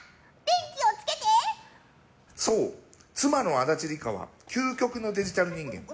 そう、妻の足立梨花は究極のデジタル人間。